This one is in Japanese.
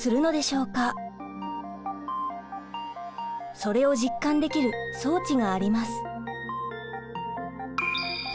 それを実感できる装置があります。